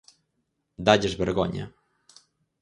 Dálles vergoña.